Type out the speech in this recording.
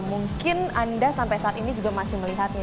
mungkin anda sampai saat ini juga masih melihatnya